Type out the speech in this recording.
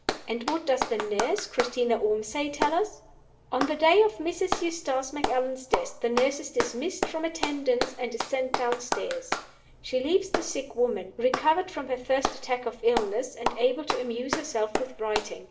And what does the nurse (Christina Ormsay) tell us? On the day of Mrs. Eustace Macallan's death, the nurse is dismissed from attendance, and is sent downstairs. She leaves the sick woman, recovered from her first attack of illness, and able to amuse herself with writing.